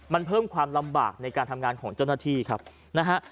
มันเพิ่มความลำบากในการทำงานของเจ้าหน้าที่ครับนะฮะ